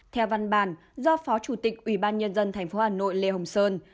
theo văn bản do phó chủ tịch ubnd tp hà nội lê hồng sơn